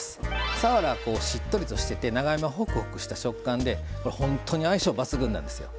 さわら、しっとりとしてて長芋は、ほくほくした食感で本当に相性抜群なんです。